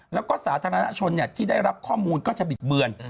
แล้วก็สาธารณชนที่ได้รับข้อมูลก็จะบิดเบือน